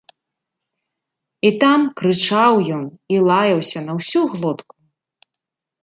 І там крычаў ён і лаяўся на ўсю глотку.